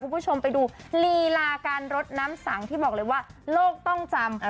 คุณผู้ชมไปดูลีลาการรดน้ำสังที่บอกเลยว่าโลกต้องจำ